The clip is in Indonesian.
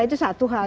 itu satu hal